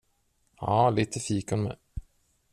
Ja, lite fikon med.